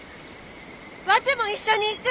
ワテも一緒に行く！